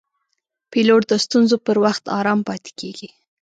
پیلوټ د ستونزو پر وخت آرام پاتې کېږي.